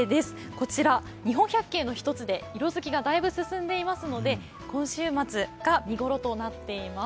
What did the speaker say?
こちら日本百景の一つで色づきがだいぶ進んでいますので今週末が見頃となっています。